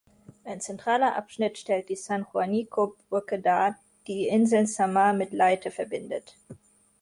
Ein zentraler Abschnitt stellt die San-Juanico-Brücke dar, die die Inseln Samar mit Leyte verbindet.